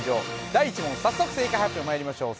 第１問、早速、正解発表まいりましょう。